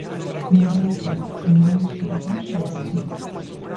Ninguén deu ningunha explicación sobre iso.